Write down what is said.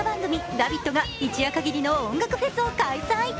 「ラヴィット！」が一夜かぎりの音楽フェスを開催。